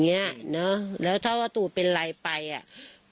เนี้ยเนอะแล้วถ้าว่าตูเป็นไรไปอ่ะ